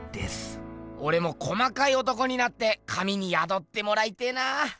オレも細かい男になって神にやどってもらいてぇな。